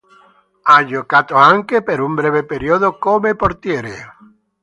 Ha giocato anche per un breve periodo come portiere.